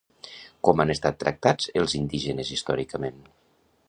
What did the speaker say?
Com han estat tractats els indígenes històricament?